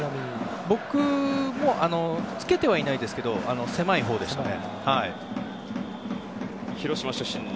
僕はつけてはいないですが狭いほうですね。